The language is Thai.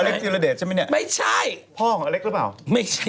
ธิรเดชใช่ไหมเนี่ยไม่ใช่พ่อของอเล็กหรือเปล่าไม่ใช่